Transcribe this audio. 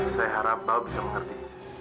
saya harap bapak bisa mengerti